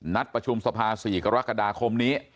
นัดประชุมสภา๔กรกฎาคมนี้